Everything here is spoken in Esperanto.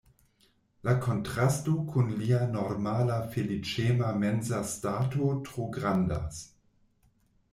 La kontrasto kun lia normala feliĉema mensa stato tro grandas.